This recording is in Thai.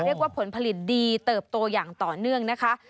เรียกว่าผลผลิตดีเติบโตอย่างต่อเนื่องนะคะ